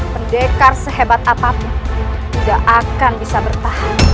pendekar sehebat apapun tidak akan bisa bertahan